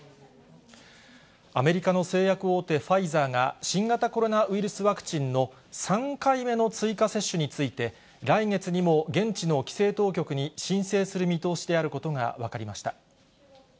アメリカの製薬大手、ファイザーが、新型コロナウイルスワクチンの３回目の追加接種について、来月にも現地の規制当局に申請する見通しであることが分かりました。